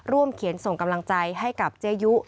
เขียนส่งกำลังใจให้กับเจยุ